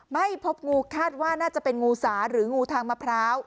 ไม่พบงูคาดว่าน่าจะเป็นงูสาหรืองูทางมะพร้าว